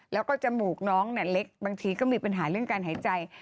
แล้วก็จมูกน้องเล็กบางทีก็มีปัญหาเรื่องการหายใจ